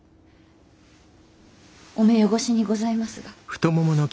お目汚しにございますが。